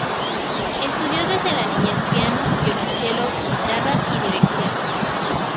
Estudió desde la niñez piano, violonchelo, guitarra y dirección.